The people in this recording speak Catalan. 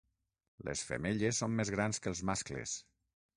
Les femelles són més grans que els mascles.